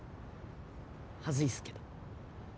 恥ずいっすけど。